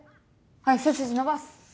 はい背筋伸ばす。